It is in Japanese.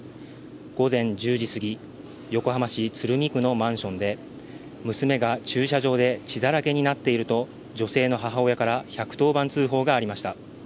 午前１０時すぎ、横浜市鶴見区のマンションで娘が駐車場で血だらけになっていると女性の母親から１１０番通報がありました。